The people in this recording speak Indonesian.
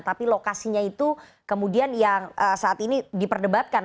tapi lokasinya itu kemudian yang saat ini diperdebatkan